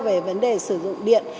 về vấn đề sử dụng điện